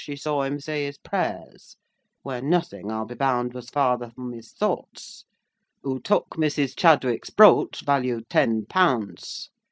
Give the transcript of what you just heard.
she saw him say his prayers, when nothing, I'll be bound, was farther from his thoughts; who took Mrs. Chadwick's brooch, value ten pounds.